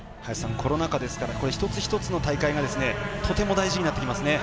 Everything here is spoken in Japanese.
コロナ禍ですから一つ一つの大会がとても大事になってきますね。